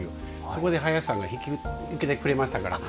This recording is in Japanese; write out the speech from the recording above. そこで林さんが引き受けてくれましたから。